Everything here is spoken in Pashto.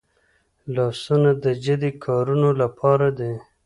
لاسونه د جدي کارونو لپاره دي